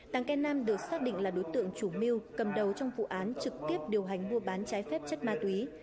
tàng cây nam được xác định là đối tượng chủ mưu cầm đầu trong vụ án trực tiếp điều hành mua bán trái phép chất ma túy